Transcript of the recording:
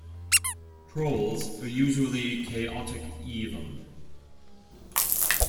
Trolls are usually chaotic evil.